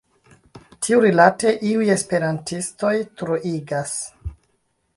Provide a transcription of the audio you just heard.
Tiurilate iuj esperantistoj troigas.